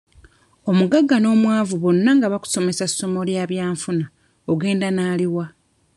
Omugagga n'omwavu bonna nga bakusomesa ssomo lya byanfuna ogenda n'ali wa?